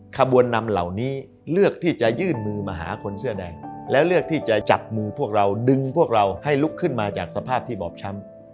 ขบวนนำเหล่านี้เลือกที่จะยื่นมือมาหาคนเสื้อแดงแล้วเลือกที่จะจับมือพวกเราดึงพวกเราให้ลุกขึ้นมาจากสภาพที่บอบช้ำ